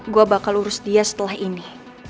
gue bakal urus dia setelah ini